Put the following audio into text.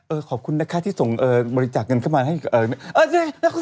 เออขอบคุณนะคะที่ส่งเอ่อบริจักษ์เงินเข้ามาให้เอ่อเขาจะ